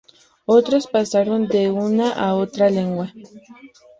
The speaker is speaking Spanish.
Otros pasaron de una a otra lengua.